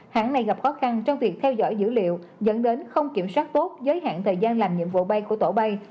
hãng này gặp khó khăn trong việc theo dõi dữ liệu dẫn đến không kiểm soát tốt giới hạn thời gian làm nhiệm vụ bay của tổ bay